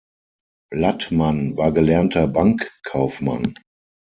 Lattmann war gelernter Bankkaufmann.